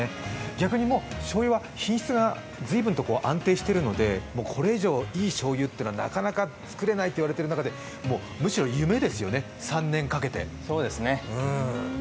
逆にもうしょうゆは品質が随分、安定しているのでこれ以上、いいしょうゆっていうのはなかなか作れないと言われている中でむしろ夢ですよね、３年かけて。